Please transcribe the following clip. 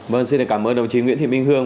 vâng xin cảm ơn đồng chí nguyễn thị minh hương